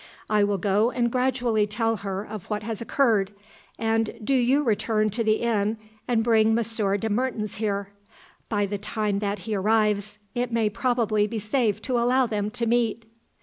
I will go and gradually tell her of what has occurred, and do you return to the inn and bring Monsieur de Mertens here. By the time that he arrives, it may probably be safe to allow them to meet."